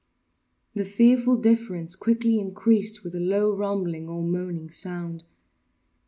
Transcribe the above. The fearful difference quickly increased with a low rumbling or moaning sound.